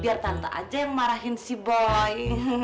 biar tante aja yang marahin si boy